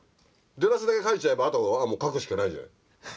出だしだけ書いちゃえばあとはもう書くしかないじゃない。